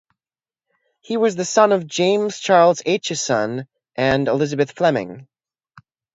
He was the son of James Charles Aitchison and Elizabeth Fleming.